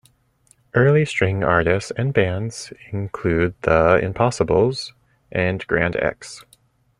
Early string artists and bands include The Impossibles, and Grand Ex'.